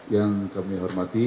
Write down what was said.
yang kami hormati